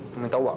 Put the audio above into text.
mau minta uang